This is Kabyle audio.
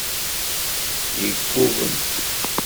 Yeggugem.